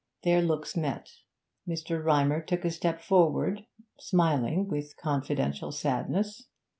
Their looks met; Mr. Rymer took a step forward, smiling with confidential sadness.